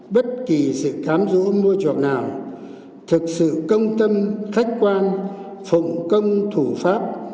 bất kỳ sự khám rũ môi trọng nào thực sự công tâm khách quan phụng công thủ pháp